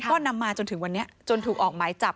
ก็นำมาจนถึงวันนี้จนถูกออกหมายจับ